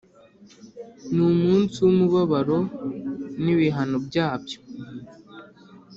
ni umunsi w umubabaro n ibihano byabyo